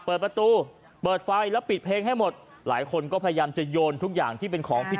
เปิดประตูเปิดไฟแล้วปิดเพลงให้หมดหลายคนก็พยายามจะโยนทุกอย่างที่เป็นของพี่